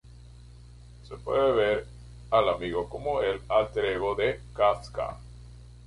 Se puede ver al amigo como el Alter Ego de Kafka.